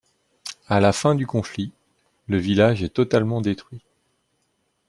À la fin du conflit, le village est totalement détruit.